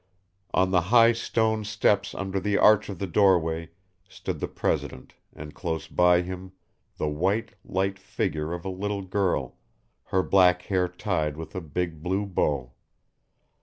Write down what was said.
On the high stone steps under the arch of the doorway stood the president and close by him the white, light figure of a little girl, her black hair tied with a big blue bow.